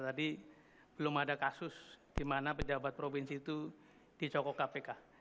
tadi belum ada kasus di mana pejabat provinsi itu dicokok kpk